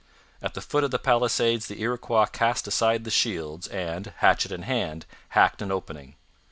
At the foot of the palisades the Iroquois cast aside the shields, and, hatchet in hand, hacked an opening.